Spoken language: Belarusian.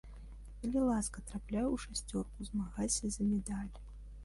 Калі ласка, трапляй у шасцёрку, змагайся за медаль.